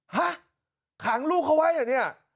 ฮะขังลูกเขาไว้เหรอเนี่ย